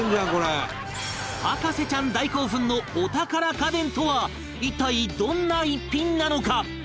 博士ちゃん大興奮のお宝家電とは一体どんな一品なのか？